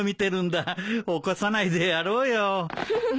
起こさないでやろうよ。